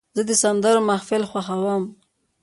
زه د سندرو محفل خوښوم.